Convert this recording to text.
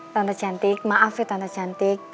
tante cantik maaf ya tante cantik